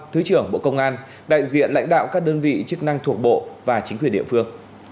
thứ trưởng bộ công an đại diện lãnh đạo các đơn vị chức năng thuộc bộ và chính quyền địa phương